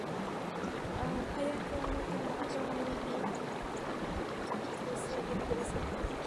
早くあなたの頭に瓶の中の香水をよく振りかけてください